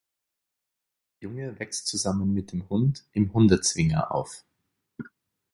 Der Junge wächst zusammen mit dem Hund im Hundezwinger auf.